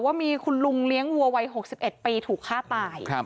ว่ามีคุณลุงเลี้ยงวัววัย๖๑ปีถูกฆ่าตาย